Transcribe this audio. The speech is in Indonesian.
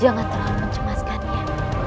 jangan terlalu mencemaskannya